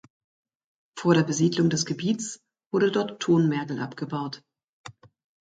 Vor der Besiedlung des Gebiets wurde dort Tonmergel abgebaut.